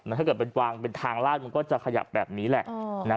แล้วถ้าเกิดเป็นแบบทางร้านมันก็จะขยับแบบนี้แหละ